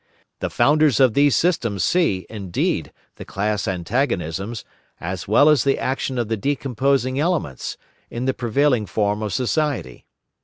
The founders of these systems see, indeed, the class antagonisms, as well as the action of the decomposing elements, in the prevailing form of society.